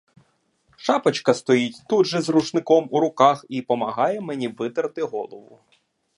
Шапочка стоїть тут же з рушником у руках і помагає мені витерти голову.